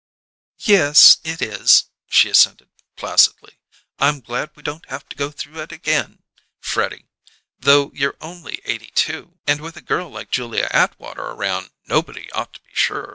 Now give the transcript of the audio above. "Yes, it is," she assented placidly. "I'm glad we don't have to go through it again, Freddie; though you're only eighty two, and with a girl like Julia Atwater around nobody ought to be sure."